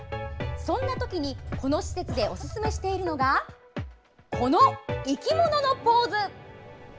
そんな時に、この施設でおすすめしているのがこの生き物のポーズ。